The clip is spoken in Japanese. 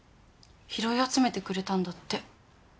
拾い集めてくれたんだって。